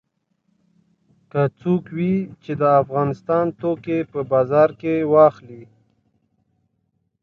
که څوک وي چې د افغانستان توکي په بازار کې واخلي.